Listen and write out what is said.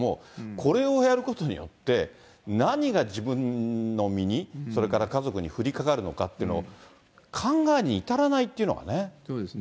これをやることによって、何が自分の身に、それから家族にふりかかるのかっていうのを、考えに至らないといそうですね。